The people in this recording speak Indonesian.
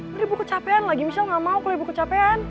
beri bu kecapean lagi michelle gak mau kalau ibu kecapean